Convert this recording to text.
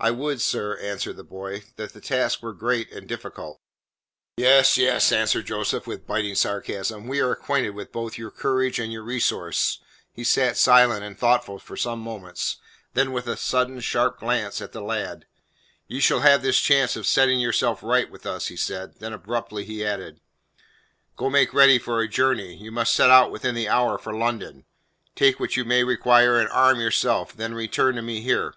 "I would, sir," answered the boy, "that the task were great and difficult." "Yes, yes," answered Joseph with biting sarcasm, "we are acquainted with both your courage and your resource." He sat silent and thoughtful for some moments, then with a sudden sharp glance at the lad: "You shall have this chance of setting yourself right with us," he said. Then abruptly he added. "Go make ready for a journey. You must set out within the hour for London. Take what you may require and arm yourself; then return to me here."